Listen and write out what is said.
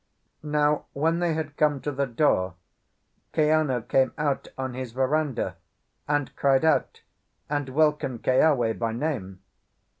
Now, when they had come to the door, Kiano came out on his verandah, and cried out and welcomed Keawe by name.